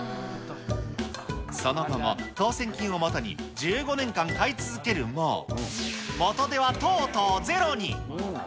その後も、当せん金をもとに１５年間買い続けるも、元手はとうとうゼロに。